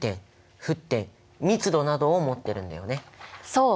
そう！